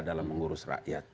dalam mengurus rakyat